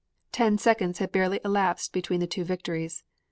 Ten seconds had barely elapsed between the two victories.